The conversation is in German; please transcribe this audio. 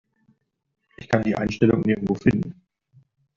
Ich kann die Einstellung nirgendwo finden.